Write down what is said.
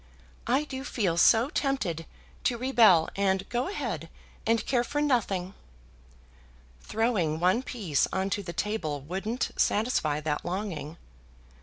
I do feel so tempted to rebel, and go ahead, and care for nothing." "Throwing one piece on to the table wouldn't satisfy that longing."